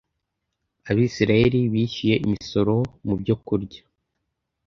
Abisiraheli bishyuye imisoro mubyo kurya